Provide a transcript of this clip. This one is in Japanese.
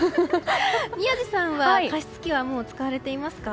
宮司さんは加湿器は使われていますか？